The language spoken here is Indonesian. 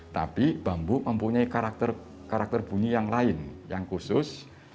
tapi bambu mempunyai karakter bunyi yang lain yang khusus